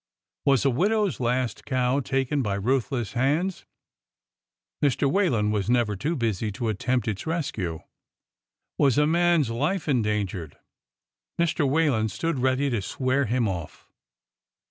Was a widow's last cow taken by ruthless hands? Mr. Whalen was never too busy to attempt its rescue. Was a man's life endangered? Mr. Whalen stood ready to swear him off.